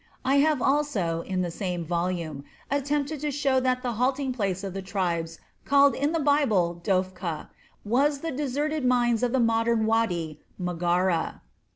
I have also in the same volume attempted to show that the halting place of the tribes called in the Bible "Dophkah" was the deserted mines of the modern Wadi Maghara.